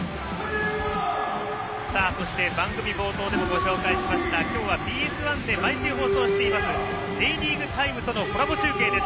そして、番組冒頭でもご紹介しました今日はＢＳ１で毎週放送しています「Ｊリーグタイム」とのコラボ中継です。